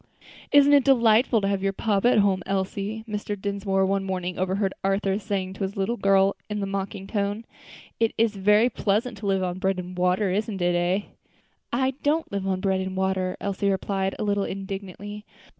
"Isn't it delightful to have your papa at home, Elsie?" Mr. Dinsmore one morning overheard Arthur saying to his little girl in a mocking tone. "It's very pleasant to live on bread and water, isn't it, eh?" "I don't live on bread and water," Elsie replied, a little indignantly.